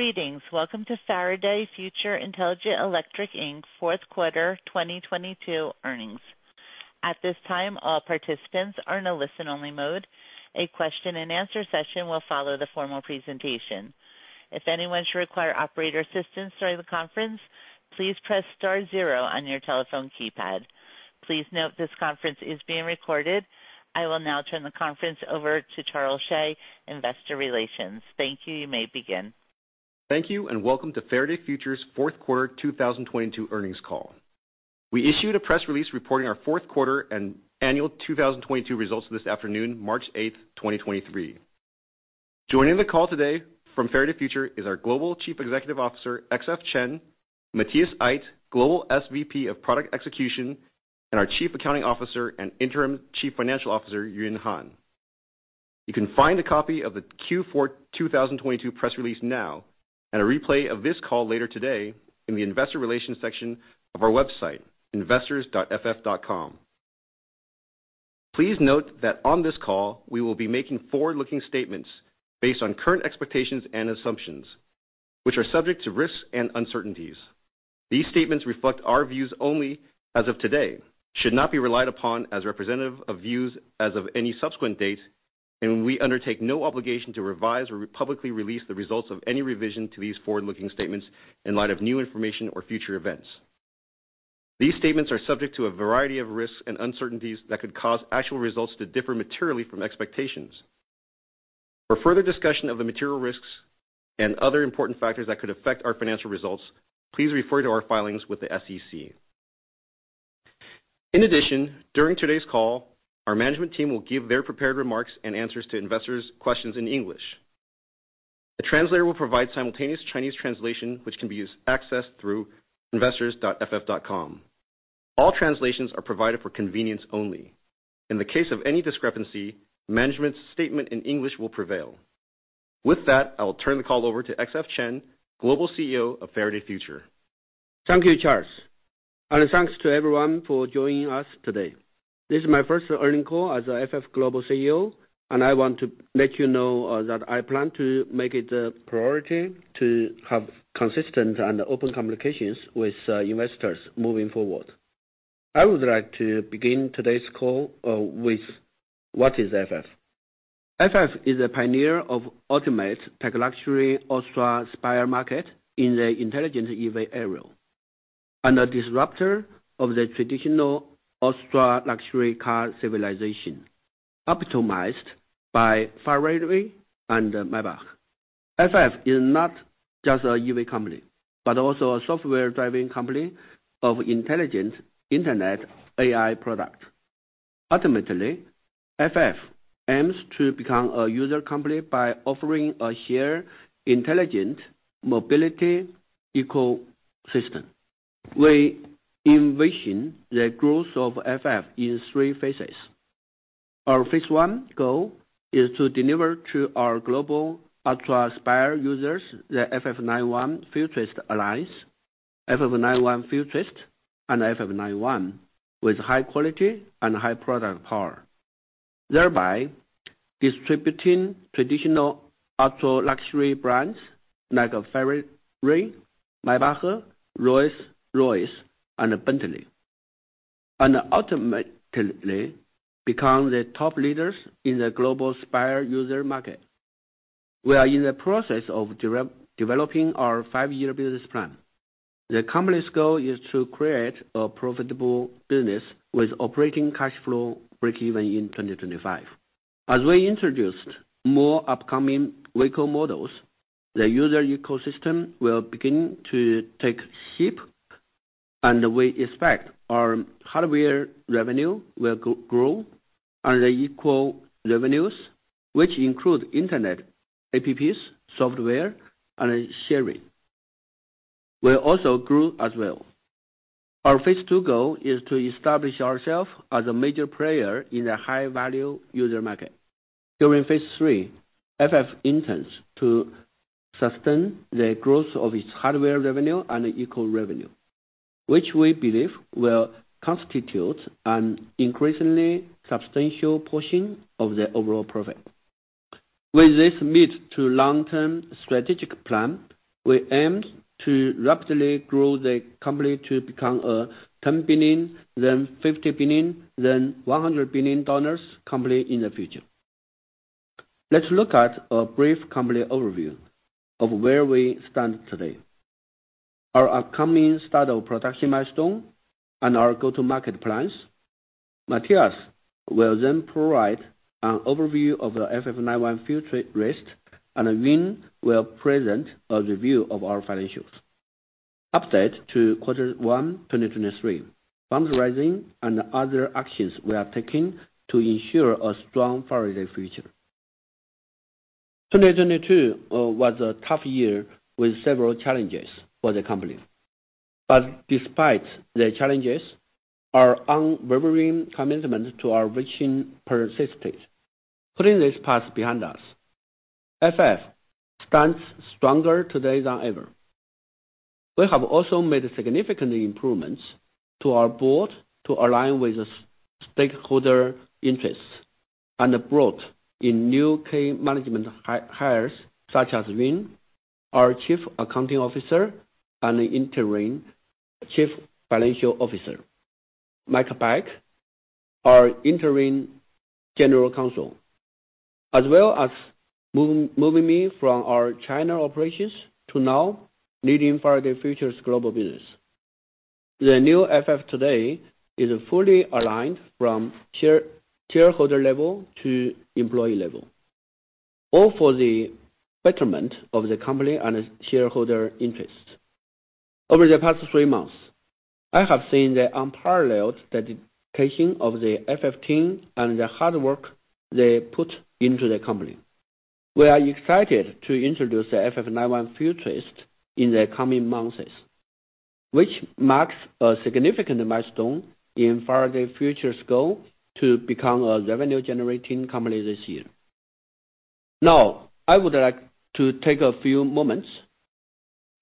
Greetings. Welcome to Faraday Future Intelligent Electric Inc.'s fourth quarter 2022 earnings. At this time, all participants are in a listen-only mode. A question and answer session will follow the formal presentation. If anyone should require operator assistance during the conference, please press star zero on your telephone keypad. Please note this conference is being recorded. I will now turn the conference over to Charles Hsieh, Investor Relations. Thank you. You may begin. Thank you. Welcome to Faraday Future's fourth quarter 2022 earnings call. We issued a press release reporting our fourth quarter and annual 2022 results this afternoon, March 8, 2023. Joining the call today from Faraday Future is our Global Chief Executive Officer, XF Chen, Matthias Aydt, Global SVP of Product Execution, and our Chief Accounting Officer and Interim Chief Financial Officer, Yun Han. You can find a copy of the Q4 2022 press release now, and a replay of this call later today in the investor relations section of our website, investors.ff.com. Please note that on this call, we will be making forward-looking statements based on current expectations and assumptions, which are subject to risks and uncertainties. These statements reflect our views only as of today, should not be relied upon as representative of views as of any subsequent date, and we undertake no obligation to revise or publicly release the results of any revision to these forward-looking statements in light of new information or future events. These statements are subject to a variety of risks and uncertainties that could cause actual results to differ materially from expectations. For further discussion of the material risks and other important factors that could affect our financial results, please refer to our filings with the SEC. In addition, during today's call, our management team will give their prepared remarks and answers to investors' questions in English. The translator will provide simultaneous Chinese translation, which can be accessed through investors.ff.com. All translations are provided for convenience only. In the case of any discrepancy, management's statement in English will prevail. With that, I will turn the call over to XF Chen, Global CEO of Faraday Future. Thank you, Charles. Thanks to everyone for joining us today. This is my first earning call as FF Global CEO, and I want to make you know, that I plan to make it a priority to have consistent and open communications with investors moving forward. I would like to begin today's call with what is FF? FF is a pioneer of ultimate tech luxury ultra aspire market in the intelligent EV area, and a disruptor of the traditional ultra-luxury car civilization, optimized by Ferrari and Maybach. FF is not just a EV company, but also a software-driving company of intelligent internet AI product. Ultimately, FF aims to become a user company by offering a shared intelligent mobility ecosystem. We envision the growth of FF in three phases. Our phase one goal is to deliver to our global ultra-aspire users the FF 91 Futurist Alliance, FF 91 Futurist, and FF 91 with high quality and high product power, thereby distributing traditional ultra-luxury brands like Ferrari, Maybach, Rolls-Royce, and Bentley, and ultimately become the top leaders in the global aspire user market. We are in the process of developing our five-year business plan. The company's goal is to create a profitable business with operating cash flow breakeven in 2025. As we introduced more upcoming vehicle models, the user ecosystem will begin to take shape, and we expect our hardware revenue will grow, and the equal revenues, which include internet, apps, software, and sharing, will also grow as well. Our phase two goal is to establish ourself as a major player in the high-value user market. During phase three, FF intends to sustain the growth of its hardware revenue and equal revenue, which we believe will constitute an increasingly substantial portion of the overall profit. With this mid to long-term strategic plan, we aim to rapidly grow the company to become a $10 billion, then $50 billion, then $100 billion company in the future. Let's look at a brief company overview of where we stand today. Our upcoming start of production milestone and our go-to-market plans. Matthias will then provide an overview of the FF 91 Futurist, and Yun will present a review of our financials. Update to Q1 2023. Fundraising and other actions we are taking to ensure a strong Faraday Future. 2022 was a tough year with several challenges for the company. Despite the challenges, our unwavering commitment to our vision persisted. Putting this past behind us, FF stands stronger today than ever. We have also made significant improvements to our board to align with the stakeholder interests and brought in new key management hires such as Yun, our Chief Accounting Officer and interim Chief Financial Officer, Michael Heinz, our interim General Counsel, as well as moving me from our China operations to now leading Faraday Future's global business. The new FF today is fully aligned from shareholder level to employee level, all for the betterment of the company and its shareholder interests. Over the past three months, I have seen the unparalleled dedication of the FF team and the hard work they put into the company. We are excited to introduce the FF 91 Futurist in the coming months, which marks a significant milestone in Faraday Future's goal to become a revenue-generating company this year. Now, I would like to take a few moments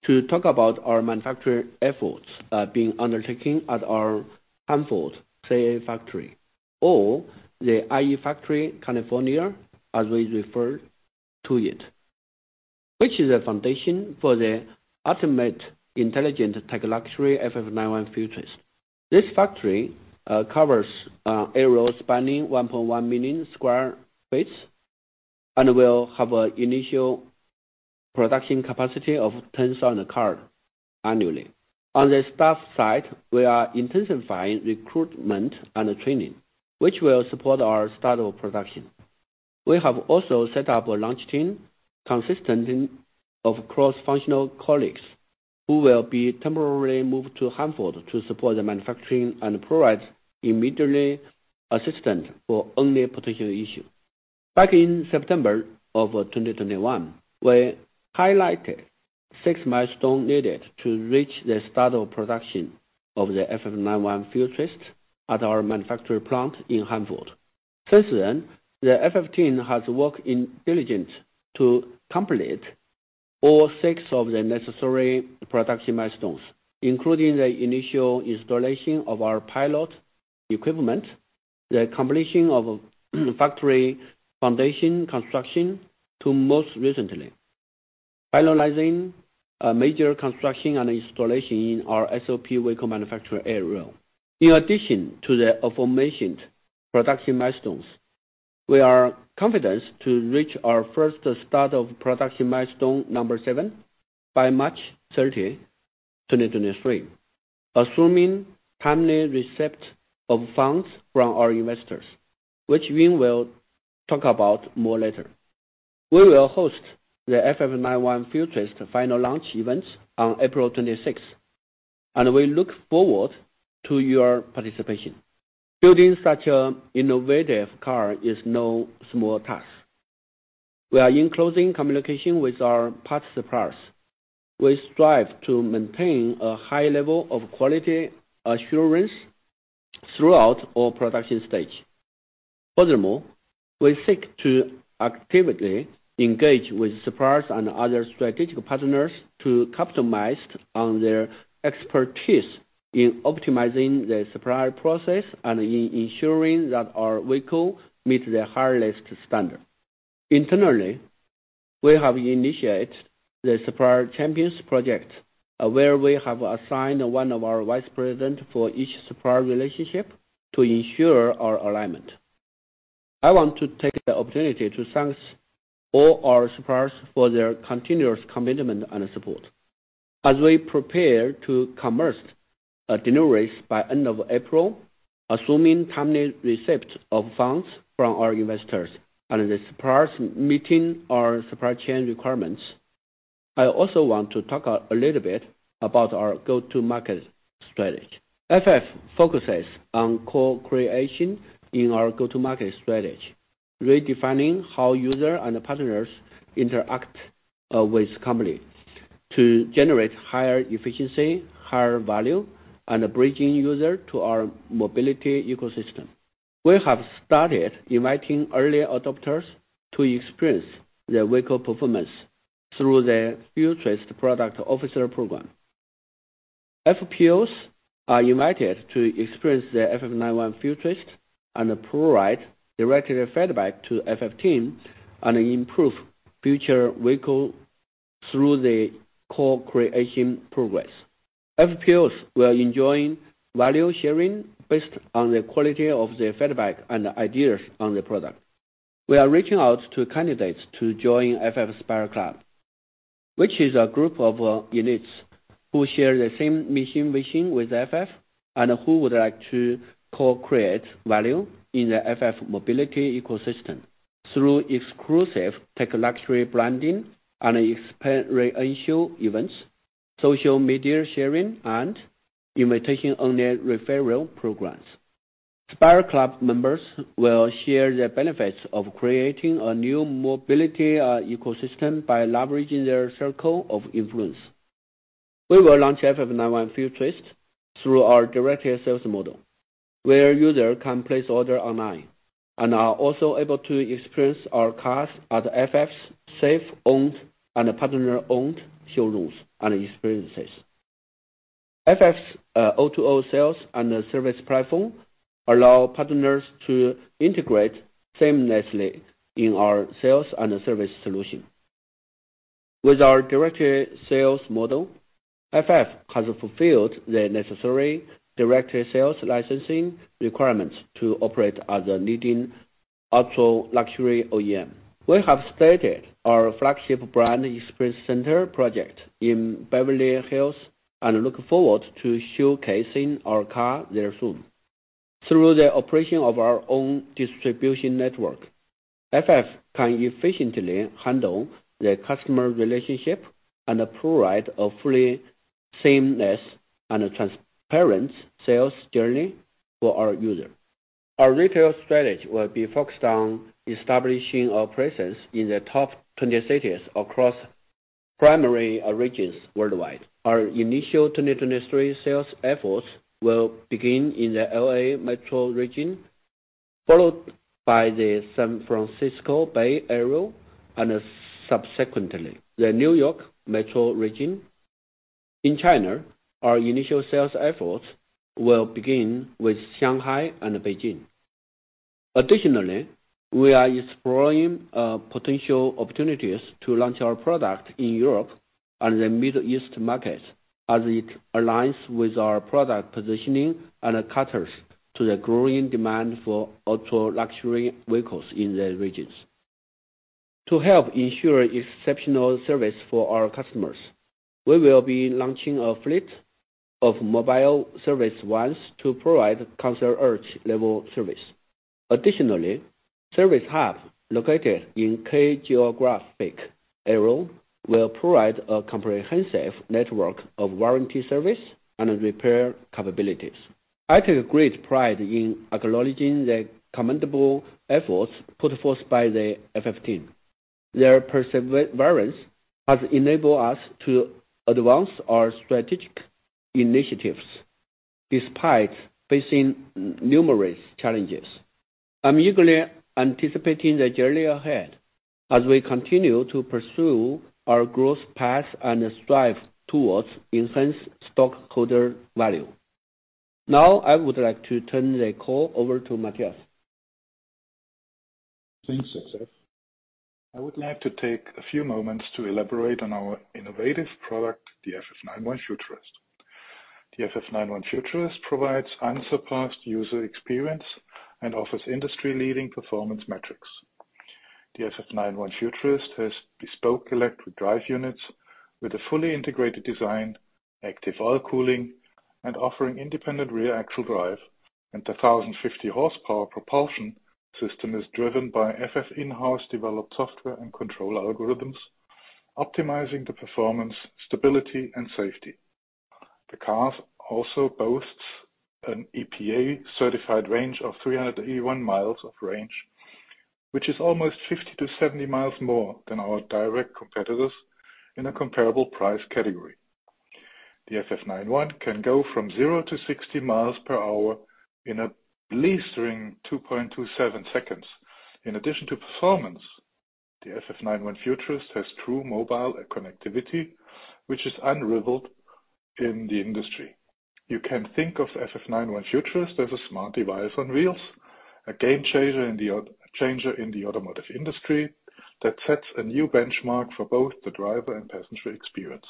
to talk about our manufacturing efforts, being undertaken at our Hanford, CA factory or the ieFactory California, as we refer to it, which is a foundation for the ultimate intelligent tech luxury FF 91 Futurist. This factory covers area spanning 1.1 million square space and will have initial production capacity of tens of thousand car annually. On the staff side, we are intensifying recruitment and training, which will support our start of production. We have also set up a launch team consisting of cross-functional colleagues who will be temporarily moved to Hanford to support the manufacturing and provide immediate assistance for any potential issue. Back in September of 2021, we highlighted six milestone needed to reach the start of production of the FF 91 Futurist at our manufacturing plant in Hanford. Since then, the FF team has worked intelligently to complete all six of the necessary production milestones, including the initial installation of our pilot equipment, the completion of factory foundation construction to most recently, finalizing major construction and installation in our SOP vehicle manufacturing area. In addition to the aforementioned production milestones, we are confident to reach our first start of production milestone number seven by March 30th, 2023, assuming timely receipt of funds from our investors, which Vin will talk about more later. We will host the FF 91 Futurist final launch event on April 26th, and we look forward to your participation. Building such an innovative car is no small task. We are in close communication with our parts suppliers. We strive to maintain a high level of quality assurance throughout all production stages. We seek to actively engage with suppliers and other strategic partners to customize on their expertise in optimizing the supplier process and ensuring that our vehicle meet the highest standard. Internally, we have initiated the Supplier Champions Project, where we have assigned one of our vice president for each supplier relationship to ensure our alignment. I want to take the opportunity to thank all our suppliers for their continuous commitment and support. As we prepare to commence deliveries by end of April, assuming timely receipt of funds from our investors and the suppliers meeting our supply chain requirements. I also want to talk a little bit about our go-to-market strategy. FF focuses on co-creation in our go-to-market strategy, redefining how user and partners interact with company to generate higher efficiency, higher value, and bridging user to our mobility ecosystem. We have started inviting early adopters to experience the vehicle performance through the Futurist Product Officer program. FPOs are invited to experience the FF 91 Futurist and provide direct feedback to FF team and improve future vehicle through the co-creation progress. FPOs will enjoy value sharing based on the quality of the feedback and ideas on the product. We are reaching out to candidates to join FF Spire Club, which is a group of elites who share the same mission vision with FF and who would like to co-create value in the FF mobility ecosystem through exclusive tech luxury branding and experience events, social media sharing, and invitation-only referral programs. Spire Club members will share the benefits of creating a new mobility ecosystem by leveraging their circle of influence. We will launch FF 91 Futurist through our direct sales model. Where user can place order online and are also able to experience our cars at FF's safe, owned, and partner-owned showrooms and experiences. FF's O2O sales and service platform allow partners to integrate seamlessly in our sales and service solution. With our direct sales model, FF has fulfilled the necessary direct sales licensing requirements to operate as a leading ultra-luxury OEM. We have started our flagship brand experience center project in Beverly Hills and look forward to showcasing our car there soon. Through the operation of our own distribution network, FF can efficiently handle the customer relationship and provide a fully seamless and transparent sales journey for our user. Our retail strategy will be focused on establishing a presence in the top 20 cities across primary origins worldwide. Our initial 2023 sales efforts will begin in the L.A. metro region, followed by the San Francisco Bay Area, and subsequently, the N.Y. metro region. In China, our initial sales efforts will begin with Shanghai and Beijing. Additionally, we are exploring potential opportunities to launch our product in Europe and the Middle East markets as it aligns with our product positioning and caters to the growing demand for ultra-luxury vehicles in the regions. To help ensure exceptional service for our customers, we will be launching a fleet of mobile service vans to provide concierge-level service. Additionally, service hubs located in key geographic areas will provide a comprehensive network of warranty service and repair capabilities. I take great pride in acknowledging the commendable efforts put forth by the FF team. Their perseverance has enabled us to advance our strategic initiatives despite facing numerous challenges. I'm eagerly anticipating the journey ahead as we continue to pursue our growth path and strive towards enhanced stockholder value. Now, I would like to turn the call over to Matthias. Thanks, XF. I would like to take a few moments to elaborate on our innovative product, the FF 91 Futurist. The FF 91 Futurist provides unsurpassed user experience and offers industry-leading performance metrics. The FF 91 Futurist has bespoke electric drive units with a fully integrated design, active oil cooling, and offering independent rear actual drive, and 1,050 horsepower propulsion system is driven by FF in-house developed software and control algorithms, optimizing the performance, stability, and safety. The car also boasts an EPA-certified range of 381 miles of range, which is almost 50 to 70 miles more than our direct competitors in a comparable price category. The FF 91 can go from zero to 60 miles per hour in a blistering 2.27 seconds. In addition to performance, the FF 91 Futurist has true mobile connectivity, which is unrivaled in the industry. You can think of FF 91 Futurist as a smart device on wheels, a game changer in the automotive industry that sets a new benchmark for both the driver and passenger experience.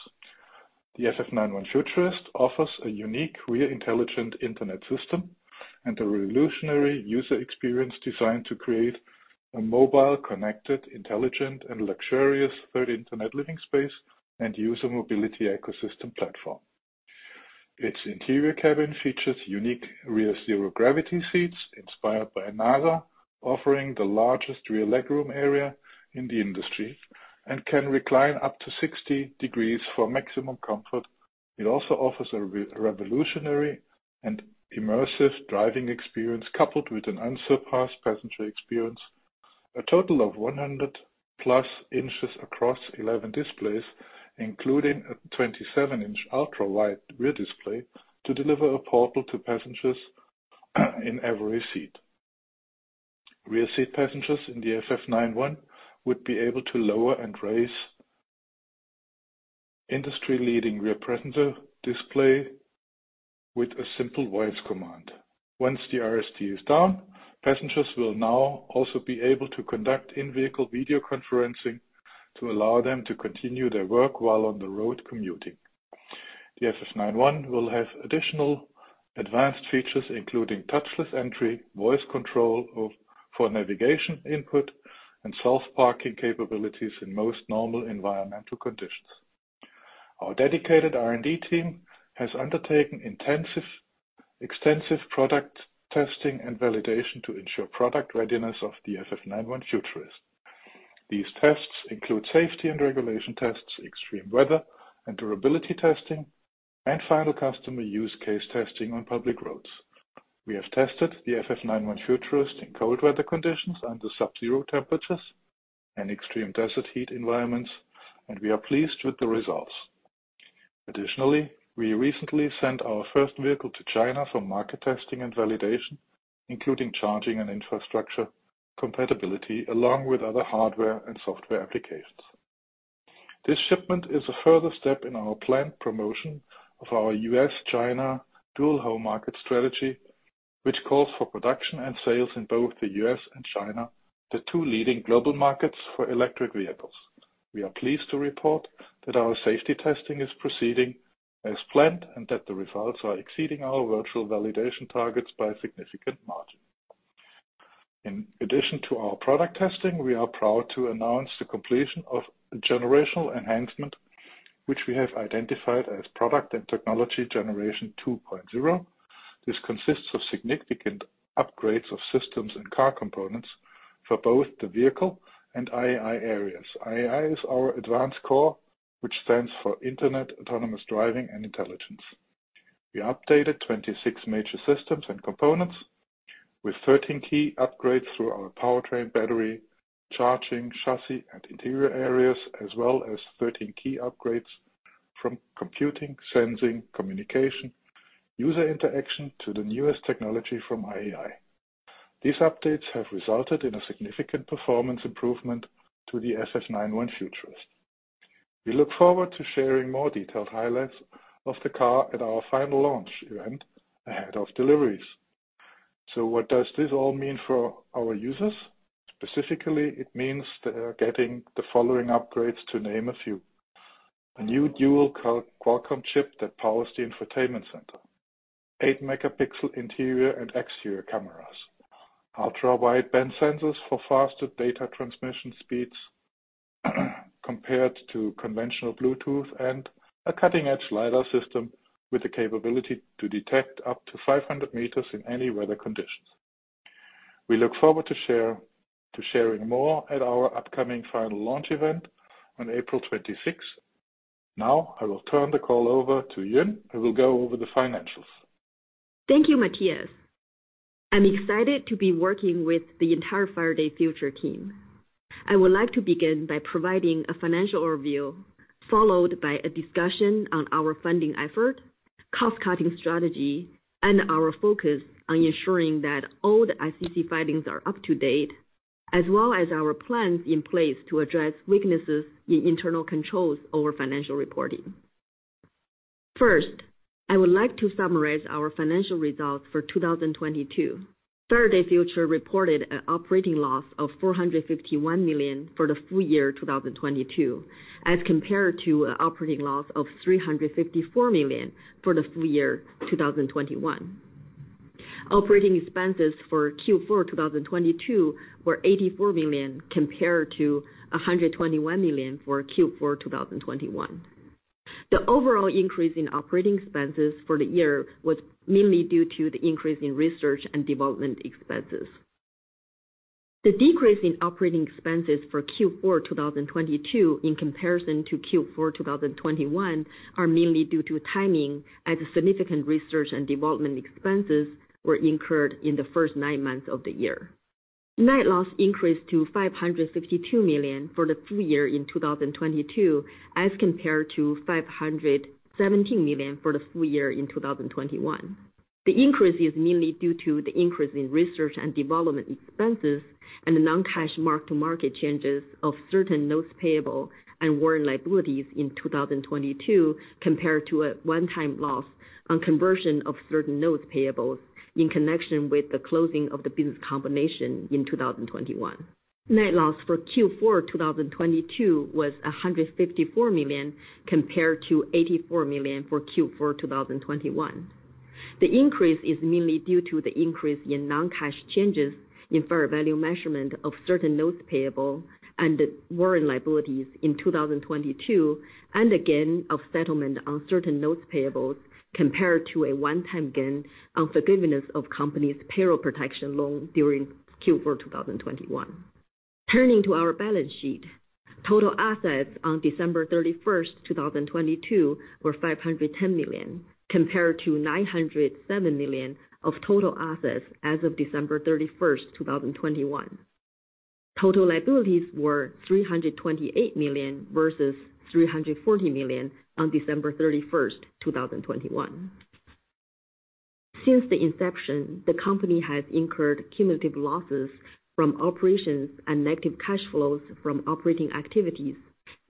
The FF 91 Futurist offers a unique rear intelligent internet system and a revolutionary user experience designed to create a mobile, connected, intelligent, and luxurious third internet living space and user mobility ecosystem platform. Its interior cabin features unique rear zero-gravity seats inspired by NASA, offering the largest rear legroom area in the industry, and can recline up to 60 degrees for maximum comfort. It also offers a revolutionary and immersive driving experience coupled with an unsurpassed passenger experience. A total of 100 plus inches across 11 displays, including a 27-inch ultra-wide rear display to deliver a portal to passengers in every seat. Rear seat passengers in the FF 91 would be able to lower and raise industry-leading Rear Passenger Display with a simple voice command. Once the RSD is down, passengers will now also be able to conduct in-vehicle video conferencing to allow them to continue their work while on the road commuting. The FF 91 will have additional advanced features, including touchless entry, voice control for navigation input, and self-parking capabilities in most normal environmental conditions. Our dedicated R&D team has undertaken intensive, extensive product testing and validation to ensure product readiness of the FF 91 Futurist. These tests include safety and regulation tests, extreme weather and durability testing, and final customer use case testing on public roads. We have tested the FF 91 Futurist in cold weather conditions under subzero temperatures and extreme desert heat environments, and we are pleased with the results. Additionally, we recently sent our first vehicle to China for market testing and validation, including charging and infrastructure compatibility, along with other hardware and software applications. This shipment is a further step in our planned promotion of our U.S., China dual home market strategy, which calls for production and sales in both the U.S. and China, the two leading global markets for electric vehicles. We are pleased to report that our safety testing is proceeding as planned, and that the results are exceeding our virtual validation targets by a significant margin. In addition to our product testing, we are proud to announce the completion of a generational enhancement, which we have identified as product and technology generation 2.0. This consists of significant upgrades of systems and car components for both the vehicle and IAI areas. IAI is our advanced core, which stands for Internet, autonomous driving, and intelligence. We updated 26 major systems and components with 13 key upgrades through our powertrain battery, charging chassis and interior areas, as well as 13 key upgrades from computing, sensing, communication, user interaction to the newest technology from IAI. These updates have resulted in a significant performance improvement to the FF 91 Futurist. We look forward to sharing more detailed highlights of the car at our final launch event ahead of deliveries. What does this all mean for our users? Specifically, it means they are getting the following upgrades to name a few. A new dual Qualcomm chip that powers the infotainment center. 8 megapixel interior and exterior cameras. Ultra-wideband sensors for faster data transmission speeds compared to conventional Bluetooth, and a cutting-edge LiDAR system with the capability to detect up to 500 meters in any weather conditions. We look forward to sharing more at our upcoming final launch event on April 26th. Now I will turn the call over to Yun, who will go over the financials. Thank you, Matthias. I'm excited to be working with the entire Faraday Future team. I would like to begin by providing a financial overview, followed by a discussion on our funding effort, cost-cutting strategy, and our focus on ensuring that all the SEC filings are up to date, as well as our plans in place to address weaknesses in internal controls over financial reporting. First, I would like to summarize our financial results for 2022. Faraday Future reported an operating loss of $451 million for the full year 2022, as compared to an operating loss of $354 million for the full year 2021. Operating expenses for Q4 2022 were $84 million compared to $121 million for Q4 2021. The overall increase in operating expenses for the year was mainly due to the increase in research and development expenses. The decrease in operating expenses for Q4 2022 in comparison to Q4 2021 are mainly due to timing as significant research and development expenses were incurred in the first nine months of the year. Net loss increased to $552 million for the full year in 2022, as compared to $517 million for the full year in 2021. The increase is mainly due to the increase in research and development expenses and the non-cash mark-to-market changes of certain notes payable and warrant liabilities in 2022 compared to a onetime loss on conversion of certain notes payables in connection with the closing of the business combination in 2021. Net loss for Q4 2022 was $154 million compared to $84 million for Q4 2021. The increase is mainly due to the increase in non-cash changes in fair value measurement of certain notes payable and warrant liabilities in 2022, and again, of settlement on certain notes payables compared to a one-time gain on forgiveness of company's Paycheck Protection Program loan during Q4 2021. Turning to our balance sheet. Total assets on December 31, 2022 were $510 million, compared to $907 million of total assets as of December 31st, 2021. Total liabilities were $328 million versus $340 million on December 31st, 2021. Since the inception, the company has incurred cumulative losses from operations and negative cash flows from operating activities,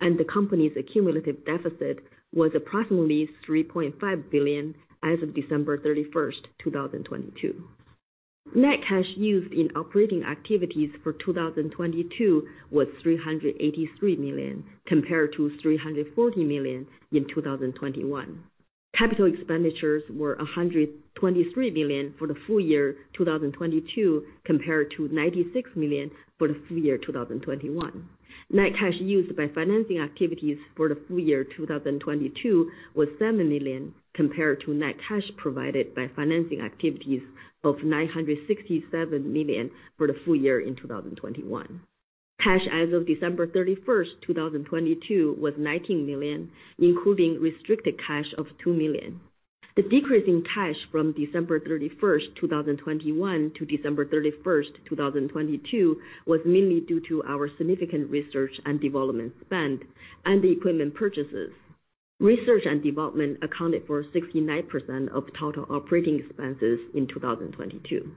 and the company's accumulative deficit was approximately $3.5 billion as of December 31st, 2022. Net cash used in operating activities for 2022 was $383 million, compared to $340 million in 2021. Capital expenditures were $123 million for the full year 2022, compared to $96 million for the full year 2021. Net cash used by financing activities for the full year 2022 was $7 million, compared to net cash provided by financing activities of $967 million for the full year in 2021. Cash as of December 31stst, 2022 was $19 million, including restricted cash of $2 million. The decrease in cash from December 31st, 2021 to December 31st, 2022 was mainly due to our significant research and development spend and equipment purchases. Research and development accounted for 69% of total operating expenses in 2022.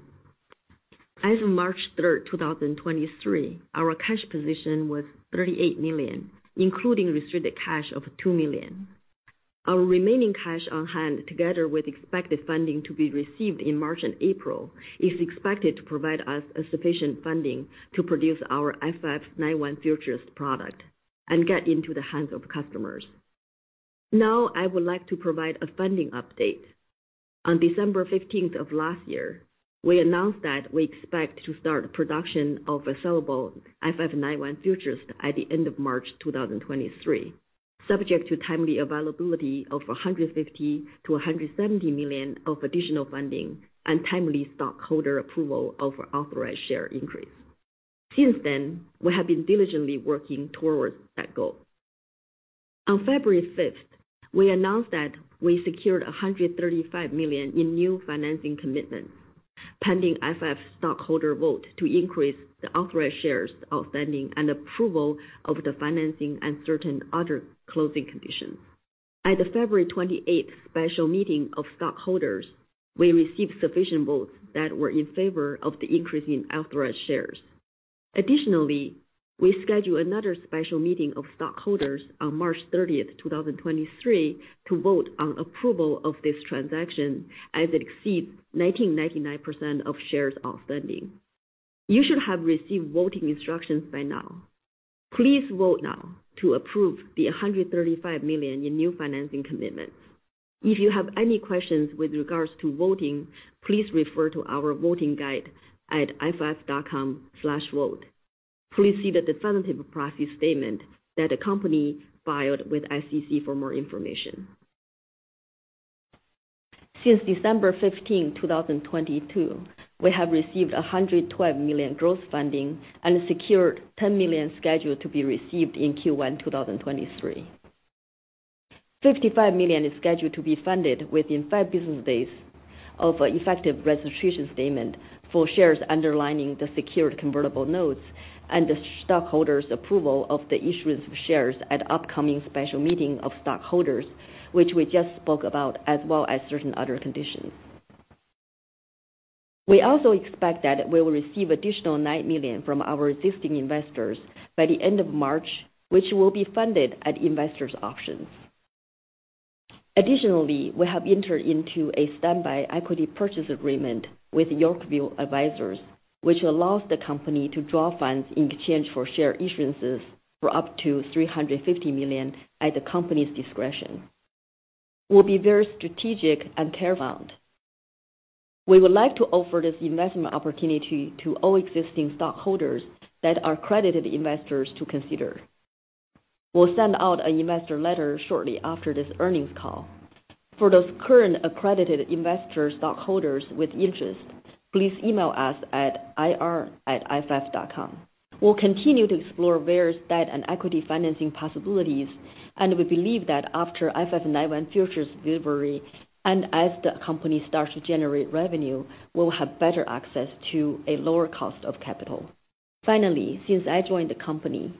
As of March 3rd, 2023, our cash position was $38 million, including restricted cash of $2 million. Our remaining cash on hand, together with expected funding to be received in March and April, is expected to provide us a sufficient funding to produce our FF 91 Futurist product and get into the hands of customers. Now I would like to provide a funding update. On December 15th of last year, we announced that we expect to start production of a sellable FF 91 Futurist at the end of March 2023, subject to timely availability of $150 million-$170 million of additional funding and timely stockholder approval of authorized share increase. Since then, we have been diligently working towards that goal. On February 5th, we announced that we secured $135 million in new financing commitments, pending FF stockholder vote to increase the authorized shares outstanding and approval of the financing and certain other closing conditions. At the February 28th special meeting of stockholders, we received sufficient votes that were in favor of the increase in authorized shares. Additionally, we schedule another special meeting of stockholders on March 30, 2023 to vote on approval of this transaction as it exceeds 1,999% of shares outstanding. You should have received voting instructions by now. Please vote now to approve the $135 million in new financing commitments. If you have any questions with regards to voting, please refer to our voting guide at ff.com/vote. Please see the definitive proxy statement that the company filed with SEC for more information. Since December 15th, 2022, we have received $112 million gross funding and secured $10 million scheduled to be received in Q1 2023. $55 million is scheduled to be funded within five business days of effective registration statement for shares underlining the secured convertible notes and the stockholders approval of the issuance of shares at upcoming special meeting of stockholders, which we just spoke about, as well as certain other conditions. We also expect that we will receive additional $9 million from our existing investors by the end of March, which will be funded at investors options. Additionally, we have entered into a Standby Equity Purchase Agreement with Yorkville Advisors, which allows the company to draw funds in exchange for share issuances for up to $350 million at the company's discretion. We'll be very strategic and careful. We would like to offer this investment opportunity to all existing stockholders that are accredited investors to consider. We'll send out an investor letter shortly after this earnings call. For those current accredited investor stockholders with interest, please email us at ir@ff.com. We'll continue to explore various debt and equity financing possibilities, and we believe that after FF 91 Futurist delivery and as the company starts to generate revenue, we'll have better access to a lower cost of capital. Finally, since I joined the company,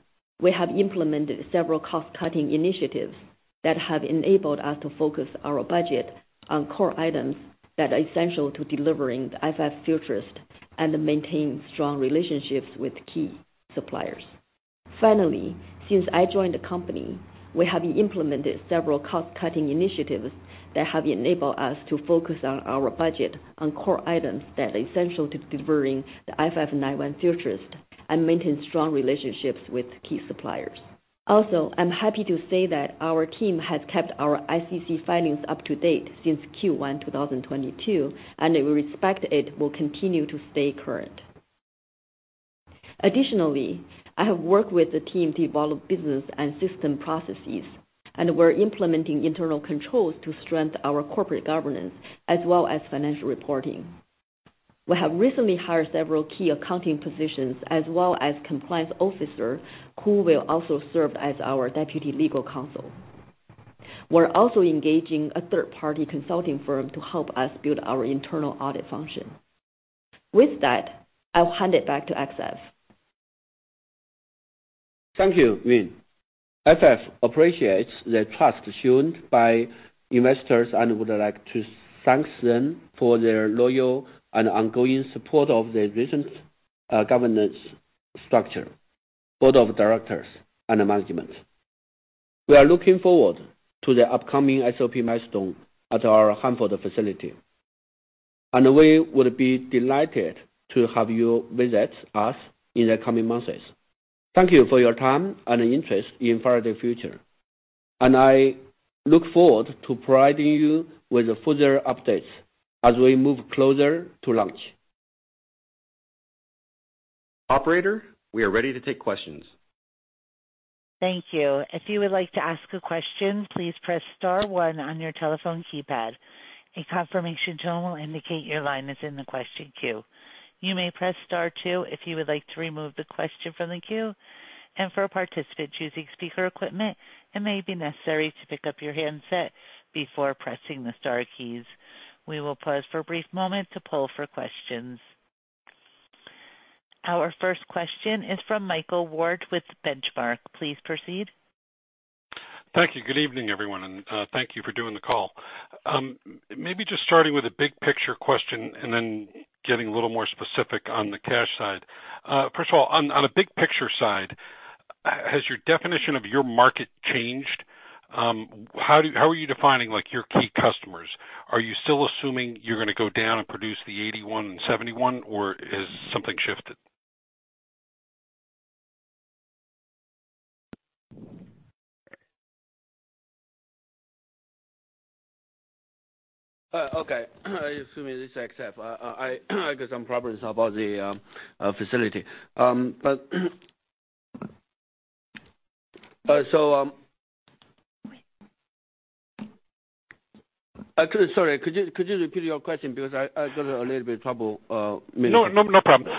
we have implemented several cost-cutting initiatives that have enabled us to focus our budget on core items that are essential to delivering the FF Futurist and maintain strong relationships with key suppliers. Finally, since I joined the company, we have implemented several cost-cutting initiatives that have enabled us to focus on our budget on core items that are essential to delivering the FF 91 Futurist and maintain strong relationships with key suppliers. Also, I'm happy to say that our team has kept our SEC filings up to date since Q1 2022, and we expect it will continue to stay current. Additionally, I have worked with the team to develop business and system processes, and we're implementing internal controls to strengthen our corporate governance as well as financial reporting. We have recently hired several key accounting positions as well as compliance officer, who will also serve as our deputy legal counsel. We're also engaging a third-party consulting firm to help us build our internal audit function. With that, I'll hand it back to Access. Thank you, Yun. FF appreciates the trust shown by investors and would like to thank them for their loyal and ongoing support of the recent governance structure, board of directors and management. We are looking forward to the upcoming SOP milestone at our Hanford facility, and we would be delighted to have you visit us in the coming months. Thank you for your time and interest in Faraday Future, and I look forward to providing you with further updates as we move closer to launch. Operator, we are ready to take questions. Thank you. If you would like to ask a question, please press star one on your telephone keypad. A confirmation tone will indicate your line is in the question queue. You may press star two if you would like to remove the question from the queue. For a participant choosing speaker equipment, it may be necessary to pick up your handset before pressing the star keys. We will pause for a brief moment to poll for questions. Our first question is from Michael Ward with Benchmark. Please proceed. Thank you. Good evening, everyone, and thank you for doing the call. Maybe just starting with a big picture question and then getting a little more specific on the cash side. First of all, on a big picture side, has your definition of your market changed? How are you defining, like, your key customers? Are you still assuming you're gonna go down and produce the FF 81 and FF 71, or has something shifted? Okay. Excuse me. This is XF. I got some problems about the facility. Sorry, could you repeat your question? Because I got a little bit trouble listening. No, no problem.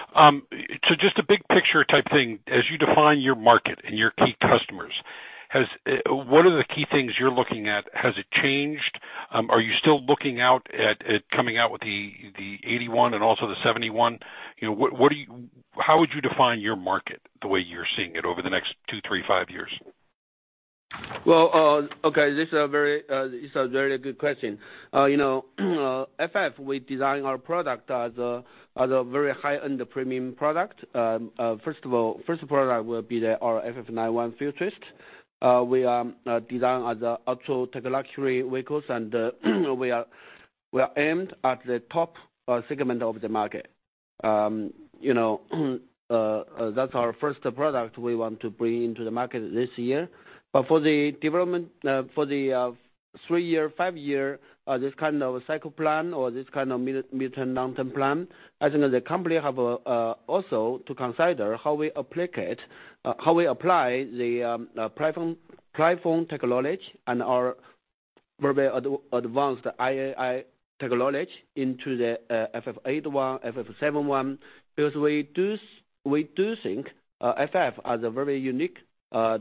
Just a big picture type thing. As you define your market and your key customers, has, what are the key things you're looking at? Has it changed? Are you still looking out at coming out with the FF 81 and also the FF 71? You know, how would you define your market the way you're seeing it over the next two, three, five years? Well, okay. This a very good question. You know, FF, we design our product as a very high-end premium product. First of all, first product will be our FF 91 Futurist. We design as a ultra-tech luxury vehicles, and we are aimed at the top segment of the market. You know, that's our first product we want to bring into the market this year. For the development, for the three-year, five-year, this kind of cycle plan or this kind of mid-term, long-term plan, I think that the company have also to consider how we apply the platform technology and our very advanced AI technology into the FF 81, FF 71. Because we do think FF has a very unique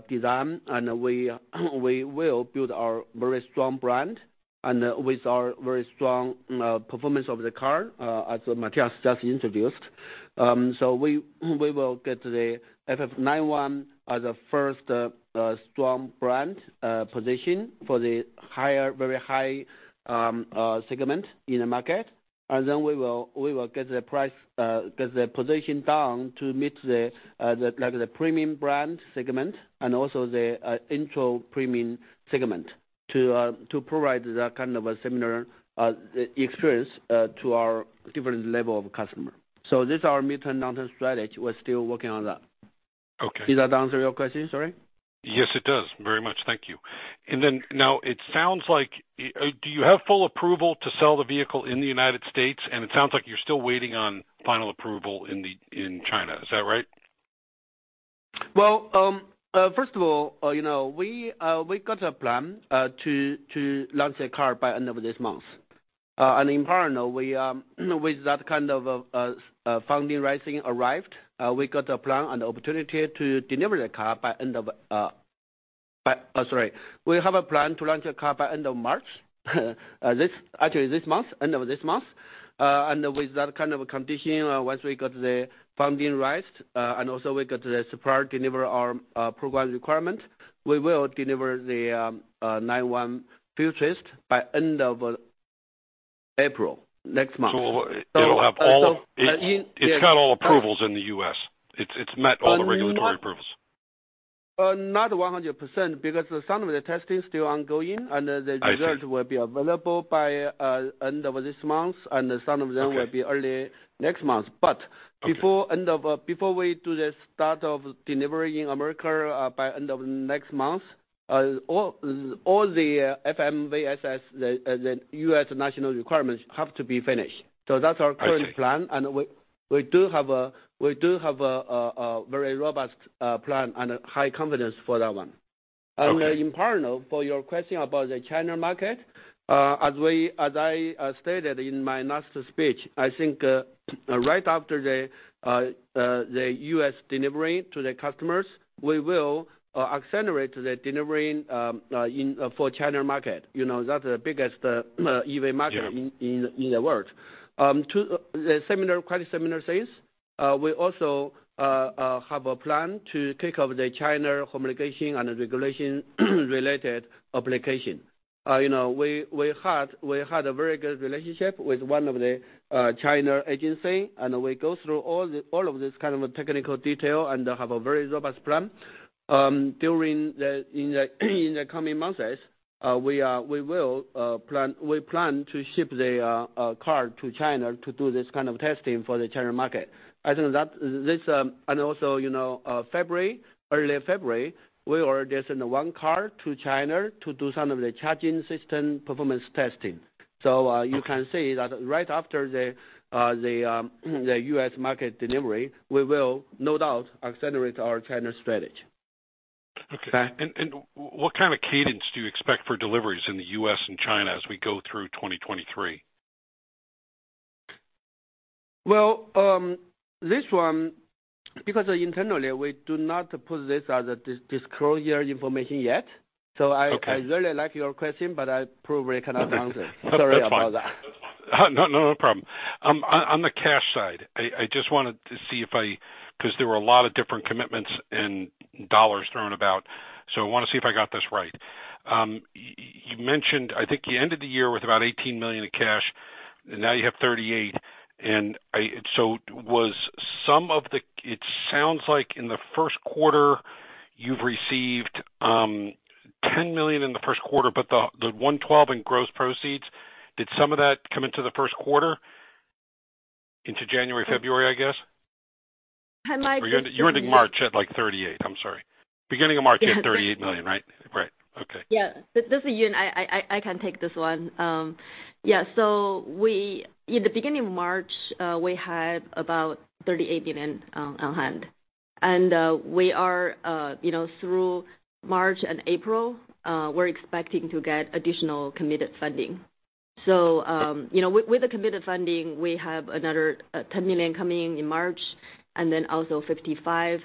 design, and we will build our very strong brand, and with our very strong performance of the car, as Matthias just introduced. We will get the FF 91 as a first strong brand position for the higher, very high segment in the market. Then we will get the price, get the position down to meet the, like, the premium brand segment and also the intro premium segment to provide the kind of a similar experience to our different level of customer. This our mid-term, long-term strategy. We're still working on that. Okay. Does that answer your question? Sorry. Yes, it does. Very much. Thank you. Then now it sounds like, do you have full approval to sell the vehicle in the United States? It sounds like you're still waiting on final approval in China. Is that right? Well, first of all, you know, we got a plan to launch the car by end of this month. In parallel, we, with that kind of funding rising arrived, we got a plan and opportunity to deliver the car. Oh, sorry. We have a plan to launch the car by end of March, actually, this month, end of this month. With that kind of condition, once we got the funding raised, and also we got the supplier deliver our program requirement, we will deliver the 91 Futurist by end of April, next month. It'll have all-. So, so, uh, in- It's had all approvals in the U.S. It's met all the regulatory approvals. Not 100% because some of the testing is still ongoing. I see. Will be available by, end of this month, and some of them. Okay. Will be early next month. Okay. Before end of, before we do the start of delivery in America, by end of next month, all the FMVSS, the U.S. national requirements have to be finished. That's our current plan. I see. We do have a very robust plan and a high confidence for that one. Okay. In parallel, for your question about the China market, as I stated in my last speech, I think, right after the U.S. delivery to the customers, we will accelerate the delivering in for China market. You know, that's the biggest EV market. Yeah. In the world. To the similar, quite similar sales, we also have a plan to take off the China homologation and regulation related application. You know, we had a very good relationship with one of the China agency, and we go through all of this kind of technical detail and have a very robust plan. During the coming months, we will plan. We plan to ship the car to China to do this kind of testing for the China market. I think that this. Also, you know, February, early February, we already send one car to China to do some of the charging system performance testing. You can see that right after the U.S. market delivery, we will no doubt accelerate our China strategy. Okay. Okay? What kind of cadence do you expect for deliveries in the US and China as we go through 2023? This one, because internally we do not put this as a disclosure information yet. Okay. I really like your question, but I probably cannot answer. Sorry about that. No problem. On the cash side, I just wanted to see if I. 'Cause there were a lot of different commitments and dollars thrown about, so I wanna see if I got this right. You mentioned, I think you ended the year with about $18 million in cash, and now you have $38. It sounds like in the first quarter you've received, $10 million in the first quarter, but the $112 in gross proceeds, did some of that come into the first quarter into January, February, I guess? I might- You ending March at like 38. I'm sorry. Beginning of March- Yeah. You had $38 million, right? Right. Okay. This is Yun. I can take this one. In the beginning of March, we had about $38 million on hand. we are, you know, through March and April, we're expecting to get additional committed funding. you know, with the committed funding we have another $10 million coming in in March, and then also $55 million.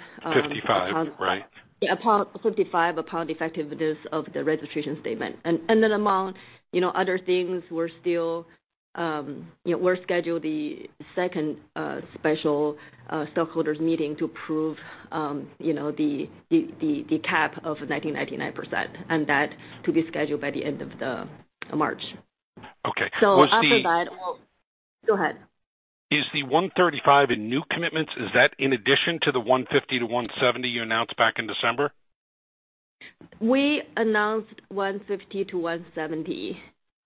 55, right. Yeah, upon 55 upon effectiveness of the registration statement. Then among, you know, other things, we're still, you know, we're scheduled the second special stockholders meeting to approve, you know, the cap of 19.99%, and that to be scheduled by the end of March. Okay. Was the. After that, we'll. Go ahead. Is the $135 in new commitments, is that in addition to the $150-$170 you announced back in December? We announced $150 to $170,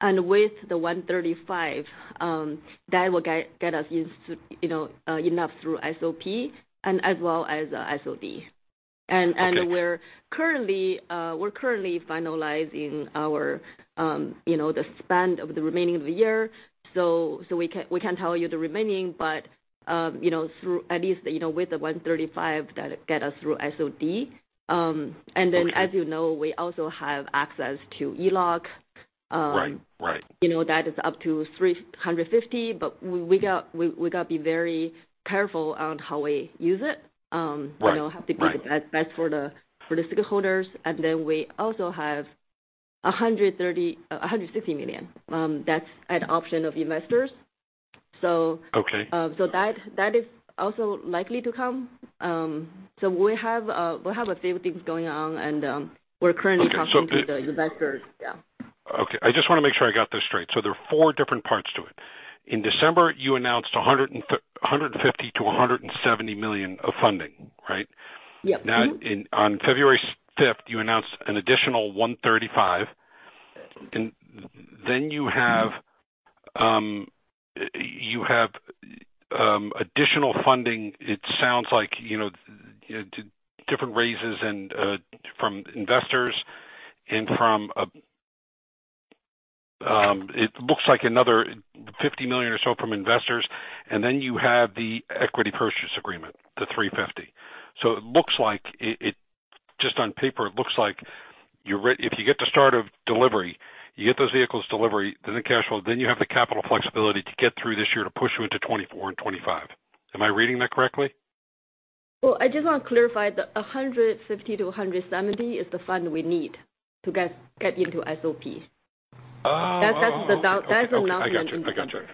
and with the $135, that will get us you know, enough through SOP and as well as SOD. Okay. We're currently finalizing our, you know, the spend of the remaining of the year. We can tell you the remaining but, you know, through at least, you know, with the $135 that get us through SOD. Okay. As you know, we also have access to ELOC. Right. Right. You know, that is up to 350, we gotta be very careful on how we use it. Right. Right. You know, have to be the best for the stakeholders. We also have $130, $160 million that's at option of investors. Okay. That is also likely to come. We have a few things going on and. Okay. talking to the investors. Yeah. I just wanna make sure I got this straight. There are four different parts to it. In December, you announced $150 million-$170 million of funding, right? Yeah. Mm-hmm. On February 5th, you announced an additional $135 million. You have additional funding it sounds like, you know, different raises from investors and from. It looks like another $50 million or so from investors, and then you have the equity purchase agreement, the $350 million. It looks like it just on paper, it looks like you're if you get the start of delivery, you get those vehicles delivery, then the cash flow, then you have the capital flexibility to get through this year to push you into 2024 and 2025. Am I reading that correctly? Well, I just wanna clarify, the $150-$170 is the fund we need to get into SOP. Oh. Okay. I gotcha. I gotcha. That is announcement in December.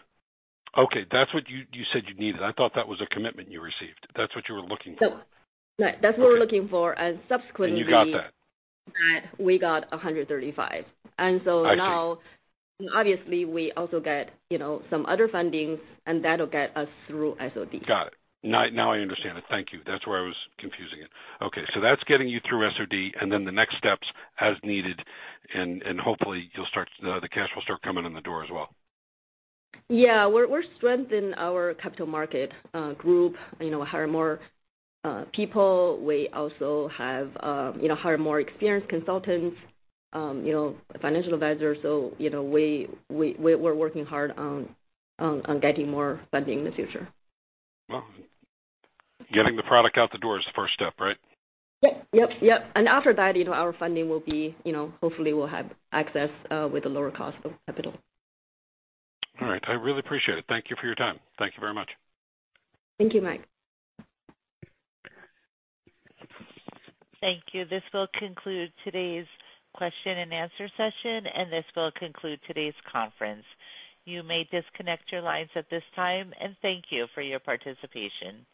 Okay. That's what you said you needed. I thought that was a commitment you received. That's what you were looking for. No. No. Okay. That's what we're looking for, and subsequently- You got that. That we got $135. I see. Now obviously we also get, you know, some other fundings, and that'll get us through SOD. Got it. Now I understand it. Thank you. That's where I was confusing it. That's getting you through SOD, and then the next steps as needed and hopefully the cash will start coming in the door as well. Yeah. We're strengthen our capital market group, you know, hire more people. We also have, you know, hire more experienced consultants, you know, financial advisors. You know, we're working hard on getting more funding in the future. Well, getting the product out the door is the first step, right? Yep. Yep. Yep. After that, you know, our funding will be, you know, hopefully we'll have access with a lower cost of capital. All right. I really appreciate it. Thank you for your time. Thank you very much. Thank you, Mike. Thank you. This will conclude today's question and answer session. This will conclude today's conference. You may disconnect your lines at this time. Thank you for your participation.